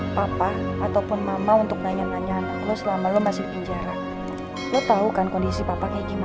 hai papa ataupun mama untuk nanya nanya lo selama lo masih pinjaran lo tahu kan kondisi papa kayak gimana